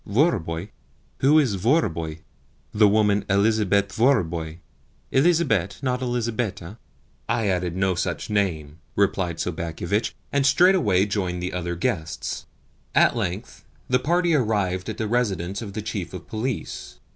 "Vorobei? Who is Vorobei?" "The woman 'Elizabet' Vorobei 'Elizabet,' not 'Elizabeta?'" "I added no such name," replied Sobakevitch, and straightway joined the other guests. At length the party arrived at the residence of the Chief of Police.